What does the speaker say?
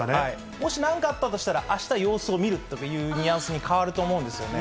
もしなんかあったとしたら、あした様子を見るとかいうニュアンスに変わると思うんですよね。